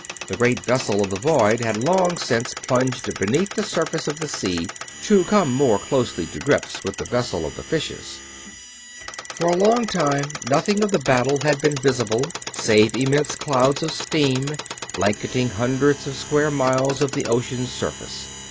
The great vessel of the void had long since plunged beneath the surface of the sea, to come more closely to grips with the vessel of the fishes; for a long time nothing of the battle had been visible save immense clouds of steam, blanketing hundreds of square miles of the ocean's surface.